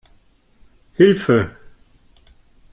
Hilfe!